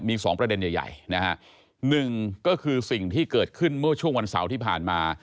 มีสองประเด็นใหญ่ใหญ่นะฮะหนึ่งก็คือสิ่งที่เกิดขึ้นเมื่อช่วงวันเสาร์ที่ผ่านมา